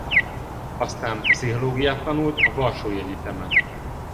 Aztán pszichológiát tanult a Varsói Egyetemen.